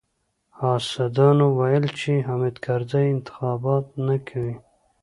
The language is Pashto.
حاسدانو ويل چې حامد کرزی انتخابات نه کوي.